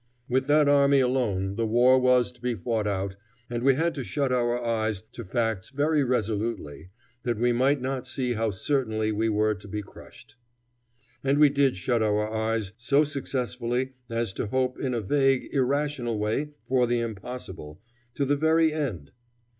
With that army alone the war was to be fought out, and we had to shut our eyes to facts very resolutely, that we might not see how certainly we were to be crushed. And we did shut our eyes so successfully as to hope in a vague, irrational way, for the impossible, to the very end.